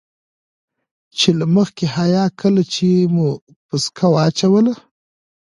چې له مخې حيا کله چې مو پسکه واچوله.